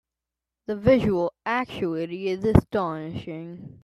The visual acuity is astonishing.